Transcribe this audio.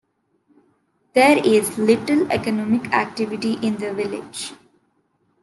There is little economic activity in the village.